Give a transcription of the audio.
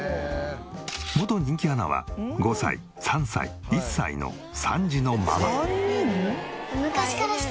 元人気アナは５歳３歳１歳の３児のママ。